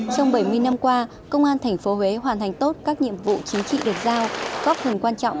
trong bảy mươi năm qua công an tp huế hoàn thành tốt các nhiệm vụ chính trị được giao có phần quan trọng